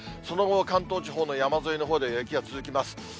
その後、関東地方の山沿いのほうで雪が続きます。